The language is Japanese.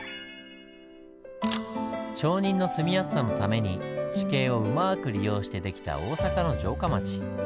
町人の住みやすさのために地形をうまく利用して出来た大阪の城下町。